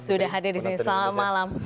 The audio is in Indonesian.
sudah hadir di sini selamat malam